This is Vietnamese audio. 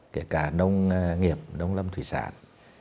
kể cả nông nghiệp nông lâm thủy sản